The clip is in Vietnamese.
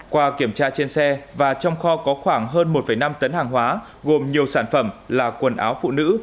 qua kiểm tra trên xe và trong kho có khoảng hơn một năm tấn hàng hóa gồm nhiều sản phẩm là quần áo phụ nữ